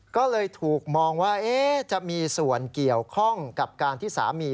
ก็เลยถูกมองว่าจะมีส่วนเกี่ยวข้องกับการที่สามี